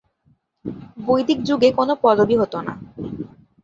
বৈদিক যুগে কোনও পদবি হতো না।